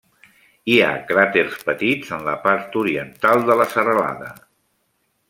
Hi ha cràters petits en la part oriental de la serralada.